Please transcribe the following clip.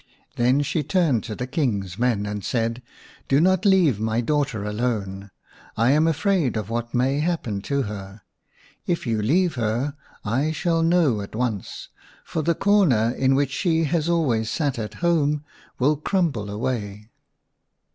Then she turned to the King's men and said, " Do not leave my daughter alone. I am afraid of what may happen to her. If you leave her, I shall know at once, for the corner in which she has always sat at home will crumble away."